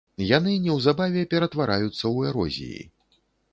Яны неўзабаве ператвараюцца ў эрозіі.